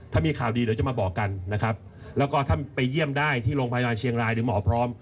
ถ้ามีข่าวดีเดี๋ยวจะมาบอกกันนะครับแล้วก็ถ้าไปเยี่ยมได้ที่โรงพยาบาลเชียงรายเดี๋ยวหมอพร้อม